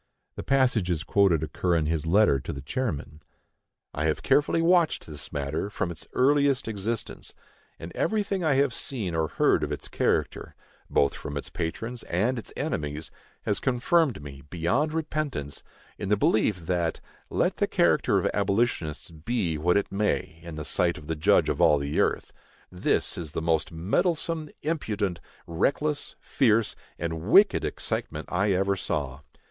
The passages quoted occur in his letter to the chairman: I have carefully watched this matter from its earliest existence, and everything I have seen or heard of its character, both from its patrons and its enemies, has confirmed me, beyond repentance, in the belief, that, let the character of abolitionists be what it may in the sight of the Judge of all the earth, this is the most meddlesome, impudent, reckless, fierce, and wicked excitement I ever saw.